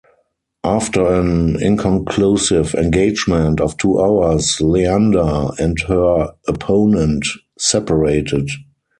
After an inconclusive engagement of two hours, "Leander" and her opponent separated.